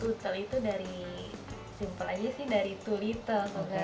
tutel itu dari simple aja sih dari too little